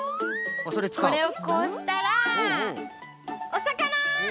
これをこうしたらおさかな！